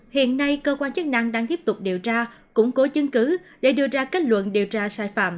hiện nay cơ quan chức năng đang tiếp tục điều tra củng cố chứng cứ để đưa ra kết luận điều tra sai phạm